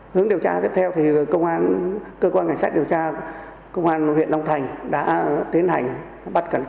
hướng điều tra tiếp theo thì công an cơ quan cảnh sát điều tra công an huyện đông thành đã tiến hành bắt cảnh sát